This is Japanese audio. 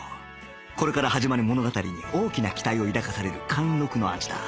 これから始まる物語に大きな期待を抱かされる貫禄の味だ